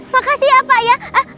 makasih ya pak ya